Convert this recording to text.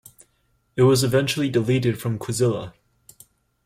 It was eventually deleted from Quizilla.